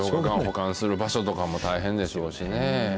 保管する場所とかも大変でしょうしね。